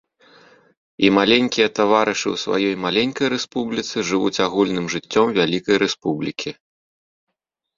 І маленькія таварышы ў сваёй маленькай рэспубліцы жывуць агульным жыццём вялікай рэспублікі.